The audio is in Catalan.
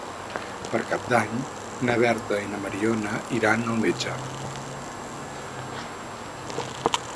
Per Cap d'Any na Berta i na Mariona iran al metge.